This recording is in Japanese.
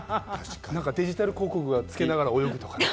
デジタル広告をつけながら泳ぐとか。